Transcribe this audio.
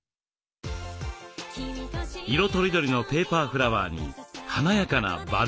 色とりどりのペーパーフラワーに華やかなバルーン。